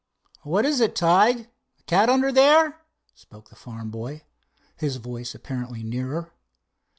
"What is it, Tige—a cat under there?" spoke the farm boy, his voice apparently nearer.